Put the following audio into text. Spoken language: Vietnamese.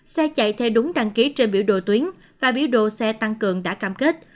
xe chạy theo đúng đăng ký trên biểu đồ tuyến và biểu đồ xe tăng cường đã cam kết